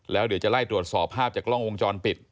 แล้วเดี๋ยวจะไล่ตรวจสอบภาพจากกล้องวงจรปิด